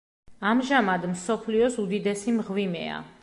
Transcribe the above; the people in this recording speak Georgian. ამჟამად მსოფლიოს უდიდესი მღვიმეა.